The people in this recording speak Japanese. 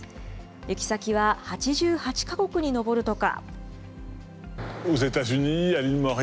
行き先は８８か国に上るとか。